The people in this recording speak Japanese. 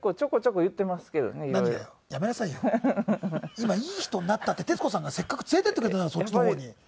今いい人になったって徹子さんがせっかく連れていってくれたのにそっちの方に。